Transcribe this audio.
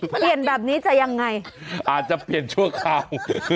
เปลี่ยนแบบนี้จะยังไงอาจจะเปลี่ยนชั่วคราว